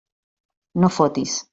No fotis!